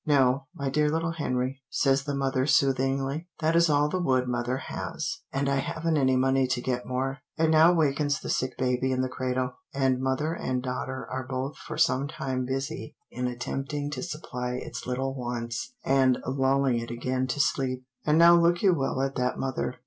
"No, my dear little Henry," says the mother, soothingly, "that is all the wood mother has, and I haven't any money to get more." And now wakens the sick baby in the cradle, and mother and daughter are both for some time busy in attempting to supply its little wants, and lulling it again to sleep. And now look you well at that mother.